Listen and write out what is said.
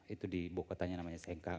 itu di buku tanya namanya sengkang